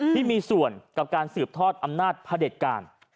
ที่มีส่วนกับการสืบทอดอำนาจผลิตการ